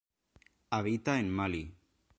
Habita en Malí.